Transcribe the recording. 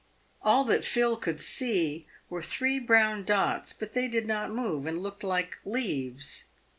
All that Phil could see were three brown dots, but they did not move, and looked like leaves.